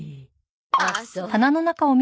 あっそう。